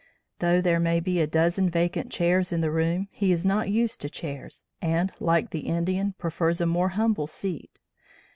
Though there may be a dozen vacant chairs in the room, he is not used to chairs, and, like the Indian, prefers a more humble seat.